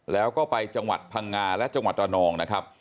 แล้วก็ไปจังหวัดพังงาและจังหวัดระนองนะครับ